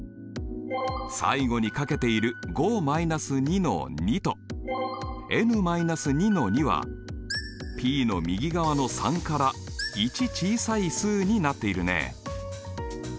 最後にかけている５−２の２とｎ−２の２はＰの右側の３から１小さい数になっているね。